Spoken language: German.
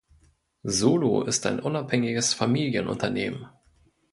Solo ist ein unabhängiges Familienunternehmen.